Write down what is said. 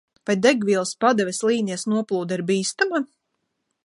Vai degvielas padeves līnijas noplūde ir bīstama?